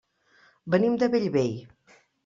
Venim de Bellvei.